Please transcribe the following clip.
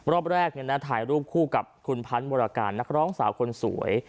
รอบแรกถ่ายรูปคู่กับคุณพันธ์บุรการนักร้องสาวคนสวย